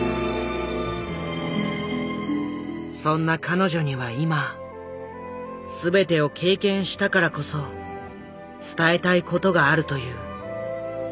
そんな彼女には今全てを経験したからこそ伝えたい事があるという。